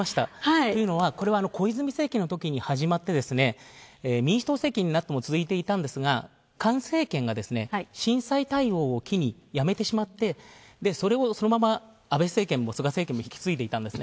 というのは、小泉政権のときに始まって民主党政権になっても続いていたんですが、菅政権が震災対応を機にやめてしまってそれをそのまま安倍政権も菅政権も引き継いでいたんですね。